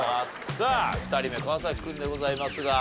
さあ２人目川君でございますが。